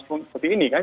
seperti ini kan